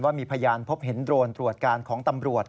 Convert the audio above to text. มีพยานพบเห็นโดรนตรวจการของตำรวจ